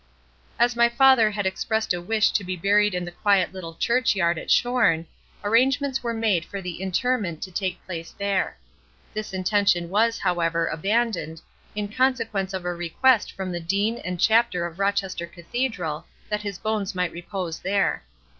As my father had expressed a wish to be buried in the quiet little church yard at Shorne, arrangements were made for the interment to take place there. This intention was, however, abandoned, in consequence of a request from the Dean and chapter of Rochester Cathedral that his bones might repose there.